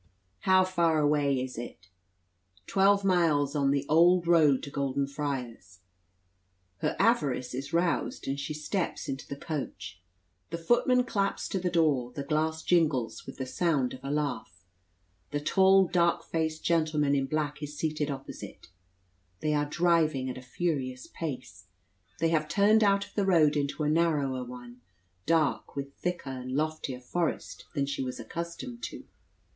"How far away is it?" "Twelve miles on the old road to Golden Friars." Her avarice is roused, and she steps into the coach. The footman claps to the door; the glass jingles with the sound of a laugh. The tall dark faced gentleman in black is seated opposite; they are driving at a furious pace; they have turned out of the road into a narrower one, dark with thicker and loftier forest than she was accustomed to.